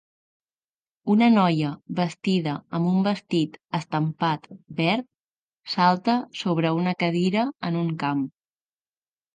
Una noia vestida amb un vestit estampat verd salta sobre una cadira en un camp.